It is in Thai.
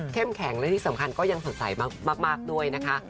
แข็งและที่สำคัญก็ยังสดใสมากด้วยนะคะ